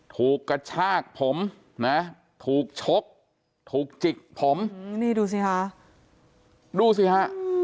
กระชากผมนะถูกชกถูกจิกผมนี่ดูสิคะดูสิฮะ